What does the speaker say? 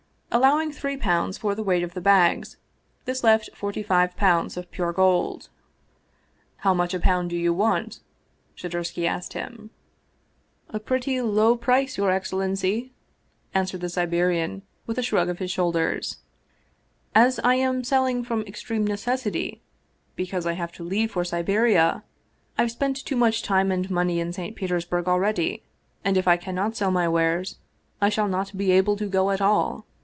Allowing three pounds for the weight of the bags, this left forty five pounds of pure gold. " How much a pound do you want ?" Shadursky asked him. " A pretty low price, your excellency," answered the Siberian, with a shrug of his shoulders, " as I am selling from extreme necessity, because I have to leave for Siberia ; I've spent too much time and money in St. Petersburg already ; and if I cannot sell my wares, I shall not be able to go at all.